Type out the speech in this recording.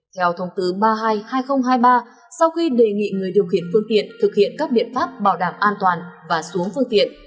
theo thông tư ba mươi hai hai nghìn hai mươi ba sau khi đề nghị người điều khiển phương tiện thực hiện các biện pháp bảo đảm an toàn và xuống phương tiện